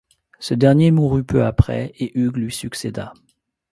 Ce dernier mourut peu après et Hugues lui succéda.